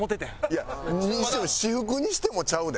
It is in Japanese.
いやにしても私服にしてもちゃうで。